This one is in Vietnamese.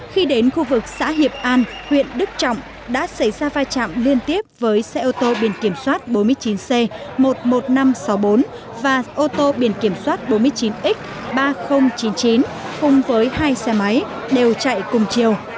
khi đến khu vực xã hiệp an huyện đức trọng đã xảy ra vai trạm liên tiếp với xe ô tô biển kiểm soát bốn mươi chín c một mươi một nghìn năm trăm sáu mươi bốn và ô tô biển kiểm soát bốn mươi chín x ba nghìn chín mươi chín cùng với hai xe máy đều chạy cùng chiều